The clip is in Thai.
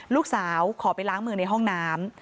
ขอไปล้างมือในห้องน้ำ